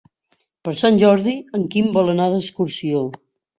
Per Sant Jordi en Quim vol anar d'excursió.